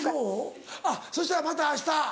あっそしたらまたあした。